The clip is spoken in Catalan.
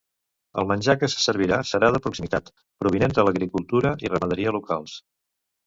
El menjar que se servirà serà de proximitat, provinent de l'agricultura i ramaderia locals.